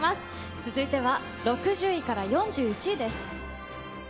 続いては６０位から４１位です。